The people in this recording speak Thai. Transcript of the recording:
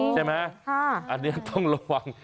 ใช่ไหมอันนี้ต้องระวัง